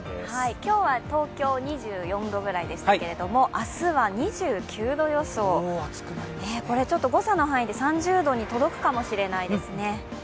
今日は東京２４度くらいでしたけれども明日は２９度予想、誤差の範囲で３０度に届くかもしれないですね。